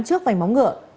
trước vài móng ngựa